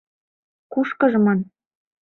Кушкыжмын